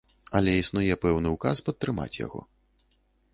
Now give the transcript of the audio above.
Але існуе пэўны ўказ, падтрымаць яго.